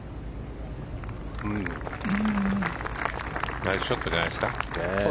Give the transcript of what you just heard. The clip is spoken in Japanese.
ナイスショットじゃないですか。